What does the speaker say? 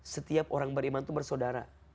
setiap orang beriman itu bersaudara